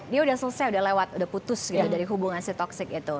dia udah selesai udah lewat udah putus gitu dari hubungan si toxic itu